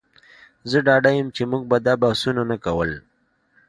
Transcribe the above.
زه ډاډه یم چې موږ به دا بحثونه نه کول